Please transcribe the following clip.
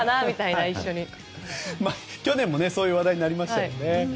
去年もそういう話題になりましたよね。